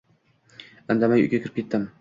Indamay uyga kirib ketdim.